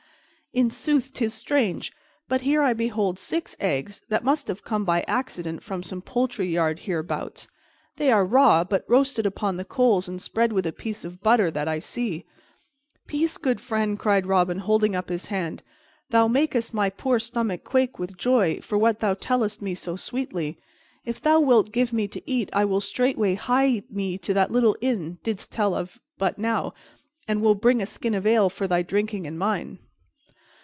In sooth, 'tis strange; but here I behold six eggs that must have come by accident from some poultry yard hereabouts. They are raw, but roasted upon the coals and spread with a piece of butter that I see " "Peace, good friend!" cried Robin, holding up his hand. "Thou makest my poor stomach quake with joy for what thou tellest me so sweetly. If thou wilt give me to eat, I will straightway hie me to that little inn thou didst tell of but now, and will bring a skin of ale for thy drinking and mine."